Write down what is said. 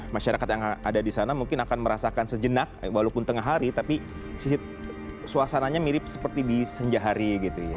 masyarakat yang ada di sana mungkin akan merasakan sejenak walaupun tengah hari tapi suasananya mirip seperti di senja hari gitu ya